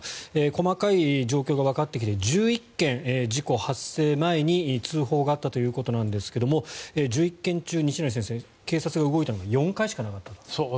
細かい状況がわかってきて１１件、事故発生前に通報があったということですが１１件中、西成先生警察が動いたのは４回しかなかったと。